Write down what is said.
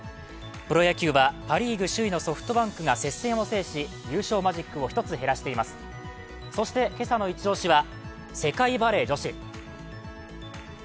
プロ野球は、パ・リーグ首位のソフトバンクが接戦を制し、優勝マジックを１つ減らしていますそして、今朝のイチ押しは世界バレー女子。